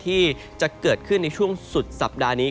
ที่จะเกิดขึ้นในช่วงสุดสัปดาห์นี้